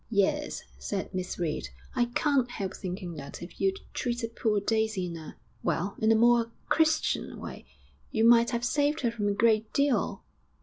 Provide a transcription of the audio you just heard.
'Yes,' said Miss Reed; 'I can't help thinking that if you'd treated poor Daisy in a well, in a more Christian way, you might have saved her from a great deal.'